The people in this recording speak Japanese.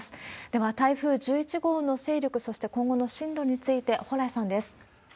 では、台風１１号の勢力、そして今後の進路について、蓬莱さんです。